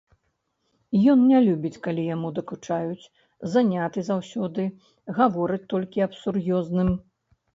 Ён не любіць, калі яму дакучаюць, заняты заўсёды, гаворыць толькі аб сур'ёзным.